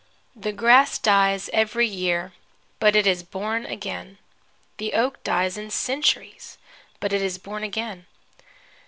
The grass dies every year, but it is born again. The oak dies in centuries, but it is born again.